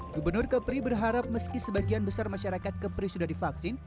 gubernur kepri berharap meski sebagian besar masyarakat kepri sudah divaksin